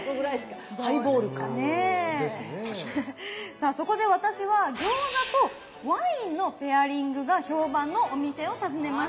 さあそこで私は餃子とワインのペアリングが評判のお店を訪ねました。